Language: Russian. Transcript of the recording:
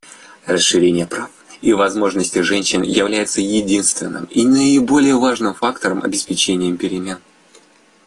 Расширение прав и возможностей женщин является единственным и наиболее важным фактором обеспечения перемен.